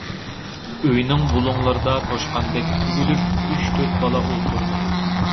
ئۆينىڭ بۇلۇڭلىرىدا توشقاندەك تۈگۈلۈپ ئۈچ-تۆت بالا ئولتۇرىدۇ.